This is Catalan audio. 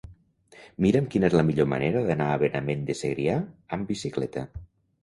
Mira'm quina és la millor manera d'anar a Benavent de Segrià amb bicicleta.